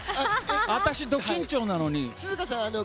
私、ど緊張なのに。